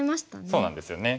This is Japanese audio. そうなんですよね。